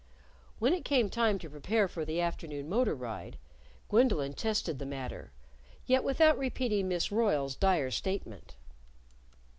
When it came time to prepare for the afternoon motor ride, Gwendolyn tested the matter yet without repeating Miss Royle's dire statement.